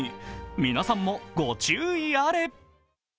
皆さんもご注意あれ。